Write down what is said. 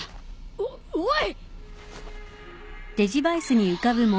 おおい！